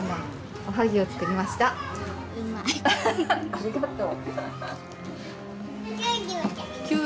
・ありがとう！